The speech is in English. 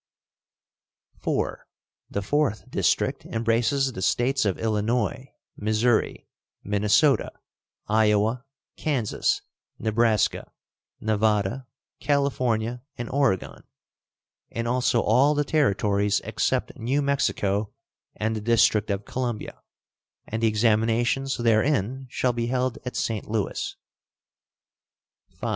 IV. The fourth district embraces the States of Illinois, Missouri, Minnesota, Iowa, Kansas, Nebraska, Nevada, California, and Oregon, and also all the Territories except New Mexico and the District of Columbia; and the examinations therein shall be held at St. Louis. V.